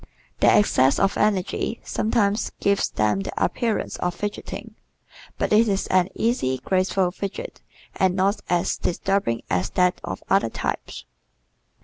Their excess of energy sometimes gives them the appearance of "fidgeting," but it is an easy, graceful fidget and not as disturbing as that of other types.